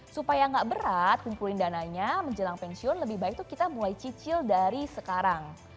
supaya nggak berat kumpulin dananya menjelang pensiun lebih baik tuh kita mulai cicil dari sekarang